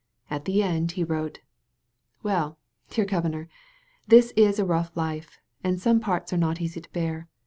At the end he wrote: ''Well, dear Governor, this is a rough life, and some parts are not easy to bear.